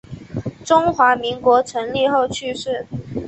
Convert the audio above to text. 中华民国成立后去世。